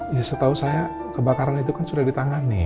ya setahu saya kebakaran itu kan sudah ditangani